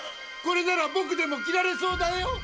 これならぼくでも着られそうだよ。